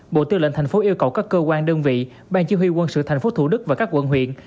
bộ tư lệnh thành phố yêu cầu các cơ quan đơn vị bang chỉ huy quân sự tp thủ đức và các quận huyện